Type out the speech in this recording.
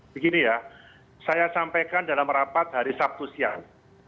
begini ya saya sampaikan dalam rapat hari sabtu siang